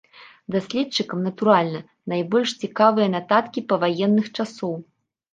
Даследчыкам, натуральна, найбольш цікавыя нататкі паваенных часоў.